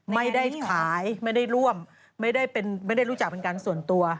ไม่ได้ขายไม่ได้ร่วมไม่ได้รู้จักเป็นการส่วนตัว